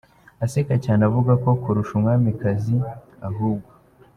aseka cyane avuga ko ‘kurusha umwamikazi ahubwo’.